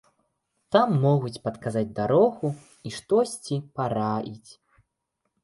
Там могуць падказаць дарогу і штосьці параіць.